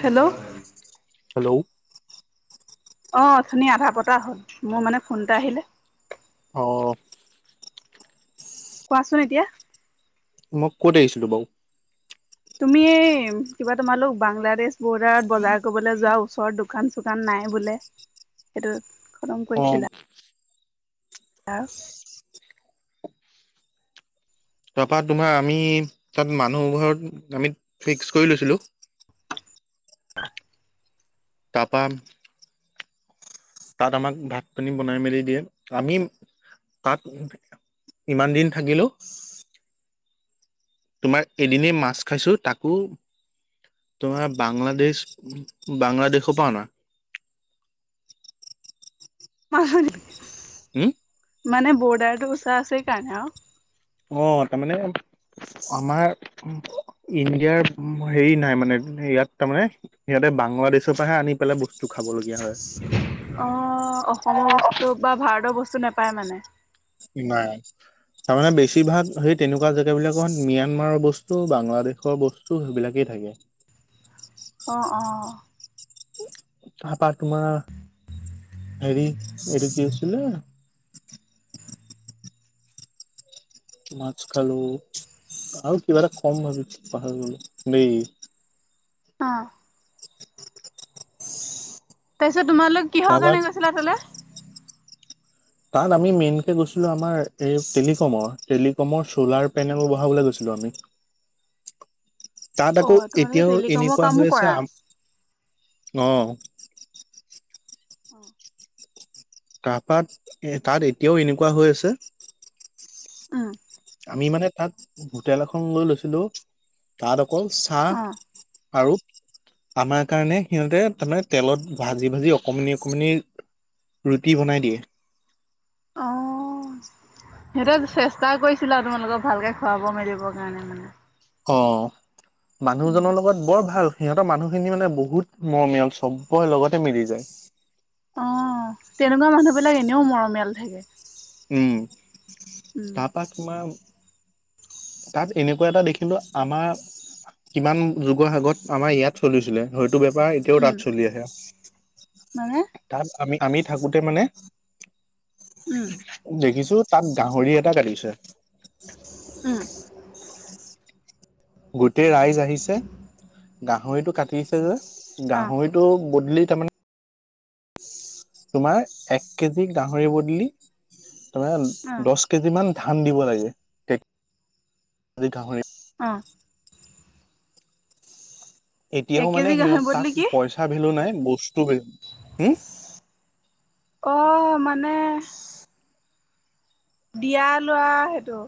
Hello. Hello. অহ, ধুনিয়া আধা পতা হ'ল, মোৰ মানে ফোন এটা আহিলে। অহ। কোৱাচোন এতিয়া? মই ক'ত এৰিছিলোঁ বাৰু? তুমি এই কিবা তোমালোক বাংলাদেশ বৰ্ডাৰত বজাৰ কৰিবলৈ যোৱা ওচৰ দোকান-চোকান নাই বোলে, সেইটোত খতম অ কৰিছিলা। [unintelligible] তাৰপৰা তোমাৰ আমি তাত, মানুহ ঘৰত আমি ফিক্স কৰি লৈছিলোঁ। [unintelligible] তাৰপা তাত আমাক ভাত পানী বনাই মেলি দিয়ে, আমি তাত ইমান দিন থাকিলোঁ তোমাৰ এদিনেই মাছ খাইছোঁ, তাকো তোমাৰ বাংলাদেশ, বাংলাদেশৰ পৰা অনা। [unintelligible] হম? মানে বৰ্ডাৰটো ওচৰা ওচৰি কাৰণে আৰু। অ', তাৰমানে আমাৰ, ইণ্ডিয়াৰ হেৰি নাই মানে ইয়াত তাৰমানে সিহঁতে বাংলাদেশৰ পৰাহে আনি পেলাই বস্তু খাব লগীয়া হয়। অ', অসমৰ বস্তু বা ভাৰতৰ বস্তু নাপায় মানে? নাই, তাৰমানে বেছিভাগ সেই অ তেনেকুৱা জেগা বিলাক মান ম্যানমাৰৰ বস্তু, বাংলাদেশৰ বস্তু সেইবিলাকেই থাকে। অ', অ'। তাপৰা তোমাৰ, হেৰি এইটো কি আছিলে মাছ খালোঁ আৰু কিবা এটা ক'ম ভাবিছো পাহৰি গ'লো দেই। অ'। তাৰপিছত তোমালোক কিহৰ তাৰপা কাৰণে গৈছিলা তালৈ? তাত আমি মেইনকে গৈছিলোঁ, আমাৰ এই টেলিকমৰ, টেলিকমৰ চলাৰ পেনেল বঢ়াবলৈ গৈছিলোঁ আমি। [inaudible] তাত অ আকৌ তোমালোকে এতিয়াও টেলিকমৰ এনেকুৱা কামো হৈ আছে, কৰা আম অ'। [inaudible] তাৰপাৰ, এ তাত এতিয়াও এনেকুৱা হৈ আছে উম আমি মানে তাত, হোটেল এখন লৈ লৈছিলোঁ, তাত অকল চাহ আৰু, আমাৰ কাৰণে সিহঁতে তাৰমানে তেলত ভাজি, ভাজি অকমানি, অকমানি ৰুটি বনাই দিয়ে। অ'। সিহঁতে চেষ্টা কৰিছিলে আৰু তোমালোকক ভালকে খুৱাব মেলিবৰ কাৰণে মানে। অ ', উম। মানুহজনৰ লগত বৰ ভাল। সিহঁতৰ মানুহখিনি মানে বহুত, মৰমীয়াল চবৰে লগতে মিলি যায়। অ', তেনেকুৱা মানুহ বিলাক এনেও মৰমীয়াল থাকে। উম, উম, তাৰপা তোমাৰ তাত এনেকুৱা এটা দেখিলো আমাৰ কিমান যুগৰ আগত আমাৰ ইয়াত চলিছিলে, সেতো বেপাৰ এতিয়াও উম, তাত চলি আছে। মানে? তাত আমি, আমি থাকোঁতে মানে উম। দেখিছোঁ, তাত গাহৰি এটা কাটিছে। উম, গোটেই ৰাইজ আহিছে, গাহৰিটো কাটিছে যে, অ', গাহৰিটো বদলি তাৰমানে তোমাৰ এক কেজি গাহৰি বদলি, তোমাৰ অ', দহ কেজি মান ধান দিব লাগে, গাহৰি অ। এতিয়াও এক মানে কেজি সিহঁত গাহৰি তাত বদলি কি পইচা ভেলু নাই, বস্তু ভেলু, হম। অ, মানে দিয়া লোৱা, সেইটো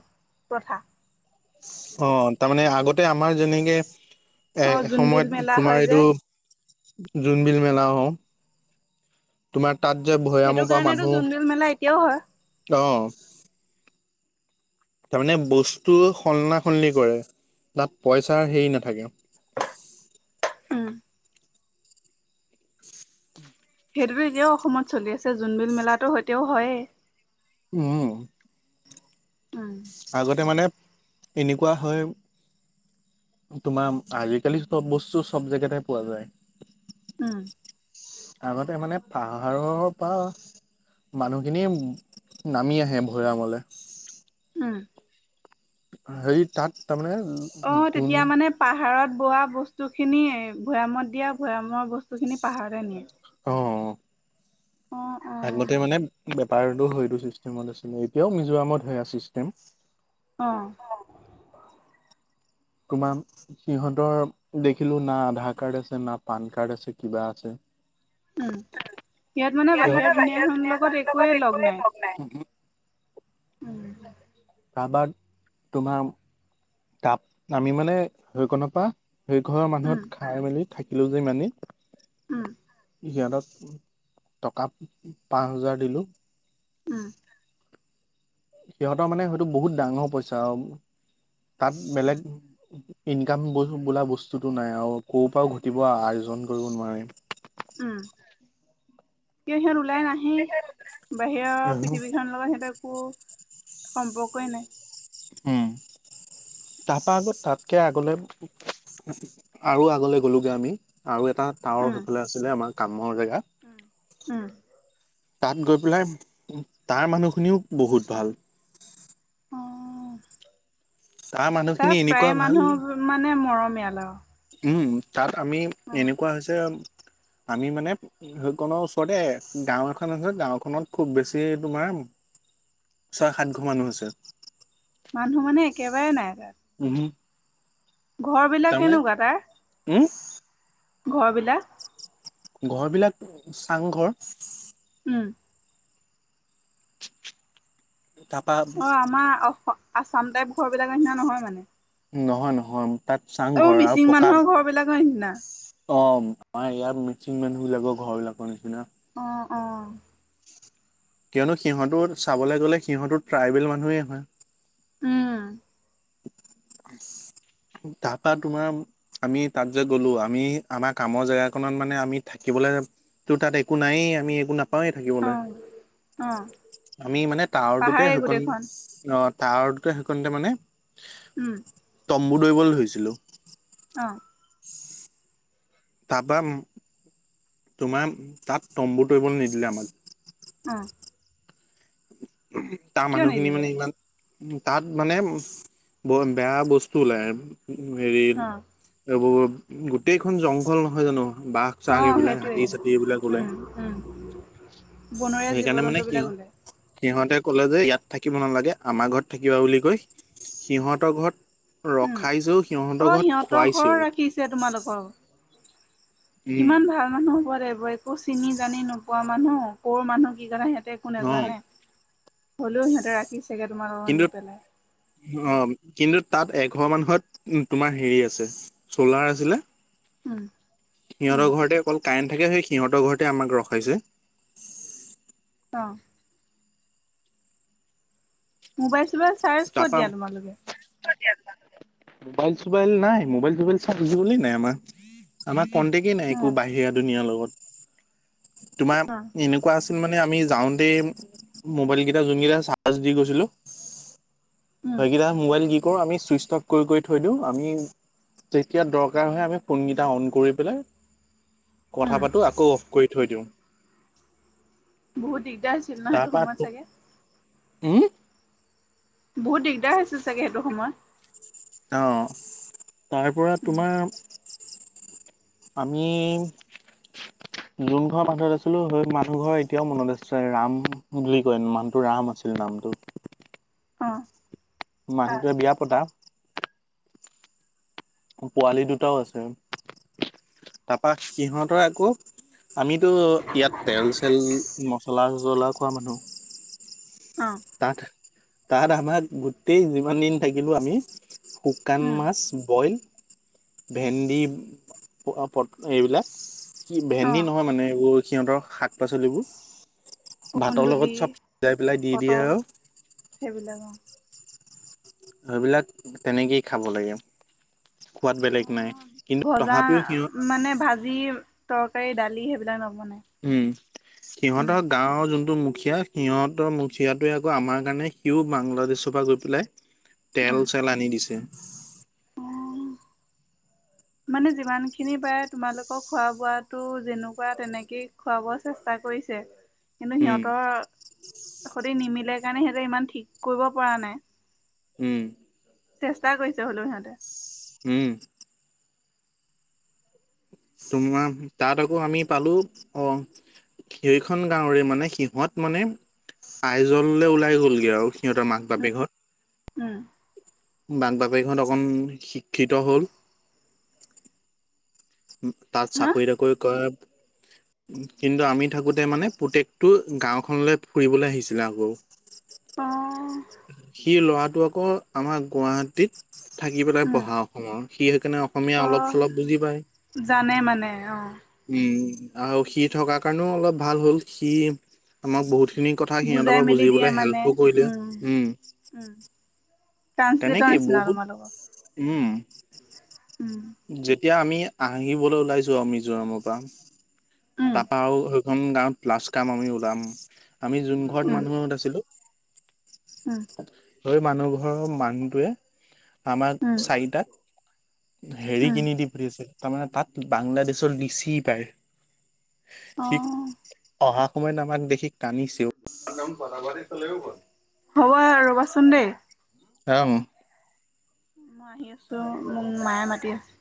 প্ৰথা। অ, তাৰমানে আগতে আমাৰ যেনেকে অ', জোনবিল এসময়ত মেলা হয় তোমাৰ যে এইটো জোনবিল মেলা অ। তোমাৰ তাত যে সেইটো ভৈয়ামৰ পৰা কাৰণেতো জোনবিল মেলা এতিয়াও হয়। মানুহ, আহ তাৰমানে বস্তু সলনা-সলনি কৰে। তাত পইচাৰ হেৰি নাথাকে। উম, সেইটোতো এতিয়াও অসমত চলি আছে, জোনবিল মেলাতো এতিয়াও হয়েই। উম। উম। আগতে মানে এনেকুৱা হয় তোমাৰ আজিকালি চব বস্তু চব জেগাতে পোৱা যায়। উম। আগতে মানে পাহাৰ পা মানুহখিনি নামি আহে ভৈয়ামলে। উম। হেৰি তাত তাৰমানে অ, যোন তেতিয়া মানে পাহাৰত বোৱা বস্তুখিনি ভৈয়ামত দিয়ে, ভৈয়ামৰ বস্তুখিনি পাহাৰলে নিয়ে। অ, অ, অ। অ', অ'। আগতে মানে বেপাৰতো হেইটো চিষ্টেমত আছিলে, এতিয়াও মিজোৰামত হৈ আছে ছিষ্টেম। অ। [unintelligible] সিহঁতৰ দেখিলো না আধাৰ কাৰ্ড আছে, না পান কাৰ্ড আছে, কিবা আছে। উম, ইয়াত মানে বাহিৰৰ দুুনীয়াখনৰ লগত একোৱে লগ নাই। [unintelligible] উম। [unintelligible] সেই ঘৰৰ মানুহত উম, খাই মেলি থাকিলো যে ইমান দিন। উম। সিহঁতক টকা পাঁচ হাজাৰ দিলোঁ। উম। সিহঁতৰ মানে হেইটো বহুত ডাঙৰ পইচা আৰু, তাত উম, বেলেগ ইনকাম বোলা বস্তুতটো নাই আৰু, ক'ৰ পৰাও ঘটিব আৰ্জন কৰিব নোৱাৰে। উম। কিয় সিহঁত ওলাই নাহেই, বাহিৰৰ পৃথিৱী খনৰ লগত সিহঁততে একো সম্পৰ্কই নাই। উম, তাৰপা আগত তাতকে আগলৈ আৰু আগলৈ গ'লোঁগৈ আমি আৰু এটা এটা টাৱাৰ উম। সেইফালে আছিলে, আমাৰ কামৰ জেগাত। উম, তাত গৈ পেলাই, তাৰ মানুহখিনিও বহুত ভাল। অ', তাৰ মানুহখিনি তাত এনেকুৱা প্ৰায়েই ভাল মানুহ মানে মৰমীয়ালা আৰু। উম, তাত আমি, এনেকুৱা হৈছে, আমি মানে হেইকণৰ ওচৰতে গাঁও এখন আছে, গাঁওখনত খুব বেছি তোমাৰ ছয়-সাত ঘৰ মানুহ আছে। মানুহ মানে একেবাৰে নাই তাত। উমহু। ঘৰ বিলাক কেনেকুৱা তাৰ? উম? ঘৰ বিলাক। ঘৰ বিলাক চাংঘৰ। উম। তাৰপা অ আমাৰ অস আসাম টাইপ ঘৰ বিলাকৰ নিচিনা নহয় মানে? নহয় নহয় তাত অ চাংঘৰ, আৰু মিচিং পকা মানুহৰ ঘৰ বিলাকৰ নিচিনা? অ আমাৰ ইয়াত মিচিং মানুহ বিলাকৰ ঘৰ বিলাকৰ নিচিনা। অঁ অঁ। কিয়নো সিহঁতো চাবলে গ'লে সিহঁতো ট্ৰাইবেল মানুহেই হয়। উম। তাৰপা তোমাৰ আমি তাত যে গ'লো আমি আমাৰ কামৰ জেগাকনত মানে আমি থাকিবলে তোৰ তাত একো নায়েই আমি একো না নাপাওঁয়ে অ থাকিবলে অ আমি মানে টাৱাৰটোতে পাহাৰে সেকণ গোটেইখন অ টৱাৰটোতে সেইকণতে মানে উম মোৰ দৰিবলে ধৰিছিলোঁ। অঁ। তাৰপৰা তোমাৰ তাত তম্বু তৰিবলৈ নিদিলে আমাক। অঁ। তাৰ মানুহখিনি নিদিলে মানে ইমান তাত মানে ব বেয়া বস্তু ওলায় হেৰি অ এইবোৰ গোটেইখন জংঘল নহয় জানো বাঘ অ চাঘ এইবিলাক সেইটোৱে হাতী চাতী এইবিলাক উলাই উম উম বনৰীয়া জীৱ সেইকাৰণে মানে জন্তু কি বিলাক ওলাই সিহঁতে ক'লে যে ইয়াত থাকিব নালাগে আমাৰ ঘৰত থাকিবা বুলি কৈ, সিহঁতৰ ঘৰত উম ৰখাইছেও অ সিহঁতৰ ঘৰত সিহঁতৰ ঘৰৰ খুৱাইছেও। ৰাখিছে তোমালোকৰ, উম কিমান ভাল মানুহ হ'ব লাগিব একো চিনি জানি নো কুৱা মানুহ ক'ৰ মানুহ কি কথা সিহঁতে একো অ নেজানে, হ'লেও সিহঁতে ৰাখি ৰাখিছেগে তোমালোকক কিন্তু নি পেলাই। অ কিন্তু তাত এঘৰ মানুহত তোমাৰ হেৰি আছে চ'লাৰ আছিলে উম উম সিহঁতৰ ঘৰতে অকল কাৰেণ্ট থাকে, সিহঁতৰ ঘৰতে আমাক ৰখাইছে। অঁ। মোবাইল চোবাইল চাৰ্জ ক'ত দিয়া তোমালোকে? কত দিয়া তোমালোকে? মোবাইল চোবাইল নাই মোবাইল চোবাইল চাৰ্জ দিবলেই নাই আমাৰ। আমাৰ কণ্টেকেই নাই একো উম বাহিৰা দুনীয়াৰ লগত, অ তোমাৰ এনে কোৱা আছিল মানে আমি যাওঁতেই মোবাইল কেইটা যোনকেইটা চাৰ্জ দি গৈছিলোঁ উম সেইকেইটা মোবাইল কি কৰোঁ আমি চুইচ অফ কৰি কৰি থৈ দিওঁ আমি যেতিয়া দৰকাৰ হয় আমি ফোন কেইটা অন কৰি পেলাই কথা উম পাতো আকৌ অফ কৰি থৈ দিওঁ। বহুত দিগদাৰ হৈছিল ন সেইটো তাৰপা সময়ত চাগে? উম? বহুত দিগদাৰ হৈছে চাগে সেইটো সময়? অ, তাৰ পৰা উম তোমাৰ আমি [unintelligible] যোন ঘৰ মানুহত আছিলো সেই মানুহ ঘৰ এতিয়াও মনত আছে [unintelligible] ৰাম বুলি কয় মানুহটো ৰাম আছিলে নামটো। অ', মানুহটোৱে বিয়া পতা পোৱালি দুটাও আছে তাপা ইহঁতৰ আকৌ আমিতো ইয়াত তেল-চেল মচলা- চচলা খোৱা মানুহ। অ তাত-তাত আমাক গোটেই যিমান দিন থাকিলোঁ আমি শুকান উম মাছ বইল ভেন্দি [unintelligible] এইবিলা কি অ ভেন্দি নহয় মানে এইবোৰ সিহঁতৰ শাক- পাচলিবোৰ ভাতৰ কুন্দুলি লগত চব সিজাই পেলাই দি দিয়ে আৰু [unintelligible] সেইবিলাক অ, সেইবিলাক তেনেকেই খাব লাগে। খোৱাত অ, বেলেগ নাই কিন্তু ভজা তথাপিও সিহঁত মানে ভাজি তৰকাৰী দালি সেইবিলাক নবনাই। উম, উম সিহঁতৰ গাঁৱৰ যোনটো মুখীয়া সিহঁতৰ মুখিয়াটোৱে আকৌ আমাৰ কাৰণে সিও বাংলাদেশৰ পৰা গৈ পেলাই উম তেল চেল আনি দিছে। মানে যিমান খিনি পাৰে তোমালোকৰ খোৱা বোৱাতো যেনেকুৱা তেনেকে খুৱাব চেচ চেষ্টা কৰিছে কিন্তু উম সিহঁতৰ সতি নিমিলে কাৰণে সিহঁতে ইমান ঠিক কৰিব পৰা নাই। উম, চেষ্টা কৰিছে হলো সিহঁতে। উম, তোমাৰ তাত আকৌ আমি পালো অ, সেইখন গাঁৱৰে মানে সিহত মানে আইজললে ওলাই গ'লগে আৰু সিহঁতৰ মাক বাপেক হত উম, [unintelligible] অকণ শিক্ষিত হ'ল। তাত হা চাকৰি তাকৰি কৰে কিন্তু আমি থাকোঁতে মানে পুতেকটো গাঁওখনলে ফুৰিবলে আহিছিলে আকৌ। অ সি ল'ৰাটো আকৌ আমাৰ গুৱাহাটীত থাকি পেলাই উম পঢ়া অসমৰ সি সেইকাৰণে অসমীয়া অ অলপ চলপ বুজি পায়। জানে মানে অ, উম, আৰু সি থকাৰ কাৰণেও অলপ ভাল হ'ল সি আমাক বহুতখিনি কথা সিহঁতৰ বুজাই পৰা মেলি দিয়ে বুজিবলৈ মানে হেল্পো কৰিলে উম, উম, ট্ৰান্সলেটৰ তেনেকি নিচিনা বহুত তোমালোকৰ উম, উম, যেতিয়া আমি আহিবলৈ ওলাইছো আৰু মিজোৰামৰ পৰা উম তাপা আৰু খন গাঁৱত লাচ কাম আমি ওলাম আমি যোন ঘৰত উম মানুহত উম আছিলো অই মানুহ ঘৰৰ মানুহটোৱে আমাক উম চাৰিটা হেৰি উম কিনি দি ফুৰিছে তাৰমানে তাত বাংলাদেশৰ লিচি পায়। অ ঠিক অহা সময়ত আমাক দেখি কান্দিছেও হ'ব ৰবাচোন দেই। আম। মই আহি আছো মোক মায়ে মাতি আছে।